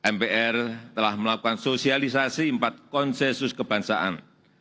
mpr telah melakukan sosialisasi empat konsensus kebangsaan